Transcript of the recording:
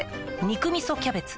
「肉みそキャベツ」